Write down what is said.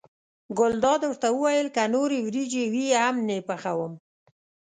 ګلداد ورته وویل که نورې وریجې وي هم نه یې پخوم.